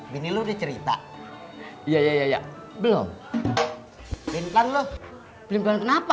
bini lu udah cerita iya ya belum bintang loh bener kenapa